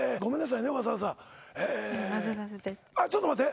ちょっと待って。